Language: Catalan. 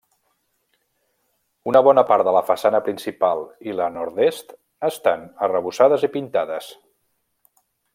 Una bona part de la façana principal i la nord-est estan arrebossades i pintades.